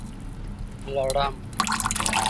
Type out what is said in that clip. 🦂 لړم